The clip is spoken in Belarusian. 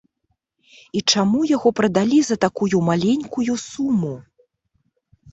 І чаму яго прадалі за такую маленькую суму?